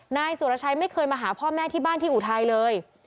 นายสุรชัยไม่เคยมาหาพ่อแม่ที่บ้านที่อุทัยเลย